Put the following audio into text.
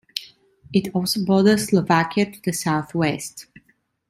It also borders Slovakia to the south-west.